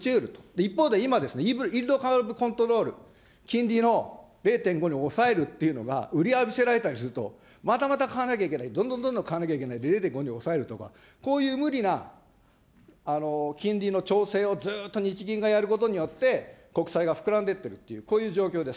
一方で今、イールドカーブコントロール、金利の０．５に抑えるというのが、またまた買わなきゃいけない、どんどん買わなきゃいけない、抑えるとか、こういう無理な金利の調整をずっと日銀がやることによって、国債が膨らんでいってるという、こういう状況です。